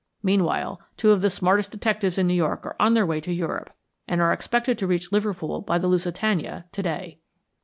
Meanwhile, two of the smartest detectives in New York are on their way to Europe, and are expected to reach Liverpool by the Lusitania to day."